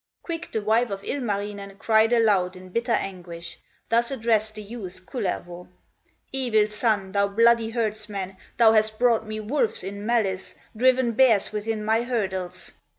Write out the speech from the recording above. Quick the wife of Ilmarinen Cried aloud in bitter anguish, Thus addressed the youth, Kullervo: "Evil son, thou bloody herdsman, Thou hast brought me wolves in malice, Driven bears within my hurdles!"